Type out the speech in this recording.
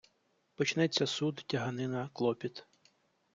Почнеться суд, тяганина, клопіт.